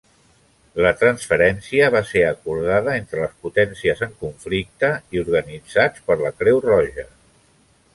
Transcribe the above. La transferència va ser acordada entre les potències en conflicte i organitzats per la Creu Roja.